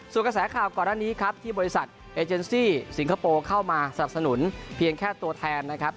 ส่วนกระแสข่าวก่อนหน้านี้ครับที่บริษัทเอเจนซี่สิงคโปร์เข้ามาสนับสนุนเพียงแค่ตัวแทนนะครับ